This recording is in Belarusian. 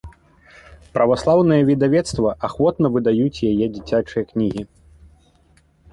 Праваслаўныя выдавецтва ахвотна выдаюць яе дзіцячыя кнігі.